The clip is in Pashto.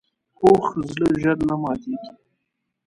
پوخ زړه ژر نه ماتیږي